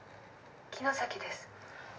「城崎です」